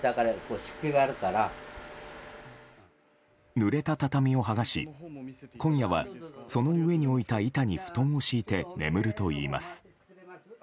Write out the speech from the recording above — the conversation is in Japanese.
ぬれた畳を剥がし今夜はその上に置いた板に布団を敷いて、眠るといいます。